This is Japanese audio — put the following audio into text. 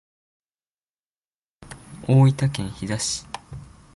大分県日田市